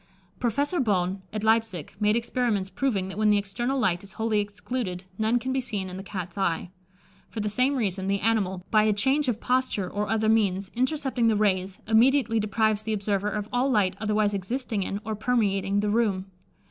Professor Bohn, at Leipsic, made experiments proving that when the external light is wholly excluded, none can be seen in the Cat's eye. For the same reason, the animal, by a change of posture or other means, intercepting the rays, immediately deprives the observer of all light otherwise existing in, or permeating, the room.